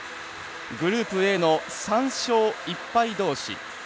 グループＡの３勝１敗どうし。